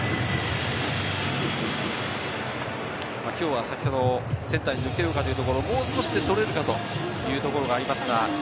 今日は先ほどセンターに抜けるかというところ、もう少しで捕れるかというところがありました。